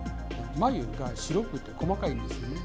繭が白くて細かいですね。